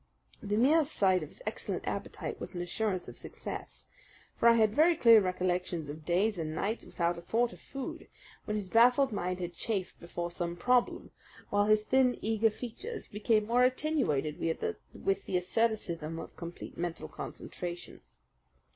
The mere sight of his excellent appetite was an assurance of success; for I had very clear recollections of days and nights without a thought of food, when his baffled mind had chafed before some problem while his thin, eager features became more attenuated with the asceticism of complete mental concentration.